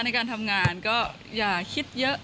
ในการทำงานก็อย่าคิดเยอะ